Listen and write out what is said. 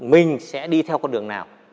mình sẽ đi theo con đường nào